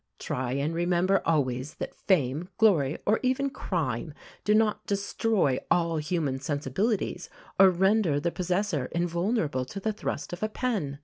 Try and remember always that fame, glory, or even crime, do not destroy all human sensibilities, or render the possessor invulnerable to the thrust of a pen.